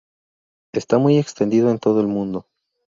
Está muy extendido en todo el mundo.